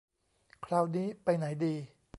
คราวนี้ไปไหนดี